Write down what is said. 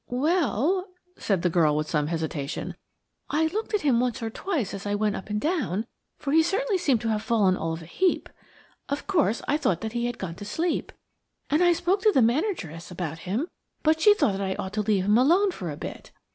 "Well," said the girl with some hesitation, "I looked at him once or twice as I went up and down, for he certainly seemed to have fallen all of a heap. Of course, I thought that he had gone to sleep, and I spoke to the manageress about him, but she thought that I ought to leave him alone for a bit.